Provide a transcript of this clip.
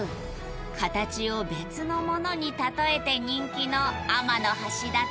カタチを「別のもの」に例えて人気の天橋立。